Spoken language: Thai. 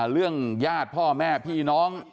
เรื่องญาติพ่อแม่พี่น้อง